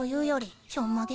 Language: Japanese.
ちょんまげ。